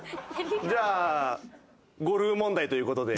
じゃあゴルフ問題という事で。